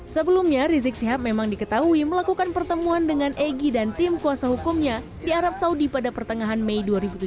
sebelumnya rizik sihab memang diketahui melakukan pertemuan dengan egy dan tim kuasa hukumnya di arab saudi pada pertengahan mei dua ribu tujuh belas